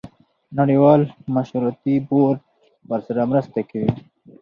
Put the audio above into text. نړیوال مشورتي بورډ ورسره مرسته کوي.